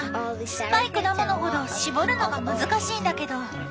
酸っぱい果物ほど搾るのが難しいんだけど。